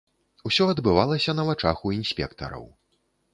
Усё адбывалася на вачах у інспектараў.